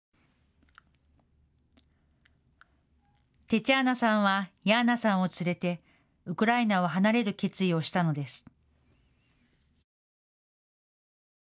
テチャーナさんはヤーナさんを連れてウクライナを離れる決意をしたのです。